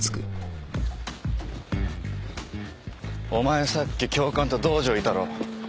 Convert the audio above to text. お前さっき教官と道場いたろ？